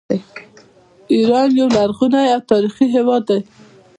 ایران یو لرغونی او تاریخي هیواد دی.